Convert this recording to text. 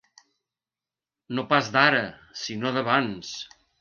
No pas d'ara, sinó d'abans.